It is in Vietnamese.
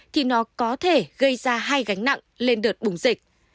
thì nó có thể gây ra hai gánh nặng lên đợt bùng dịch